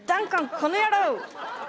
この野郎！